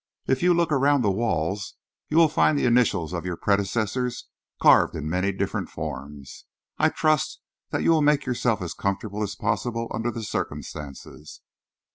If you look around the walls, you will find the initials of your predecessors carved in many different forms. I trust that you will make yourself as comfortable as possible under the circumstances."